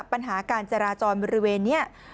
ปัญหาการจราจรบริเวณนี้